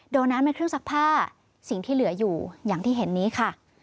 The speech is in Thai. น้ำในเครื่องซักผ้าสิ่งที่เหลืออยู่อย่างที่เห็นนี้ค่ะ